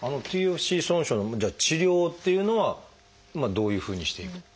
ＴＦＣＣ損傷の治療っていうのはどういうふうにしていくと。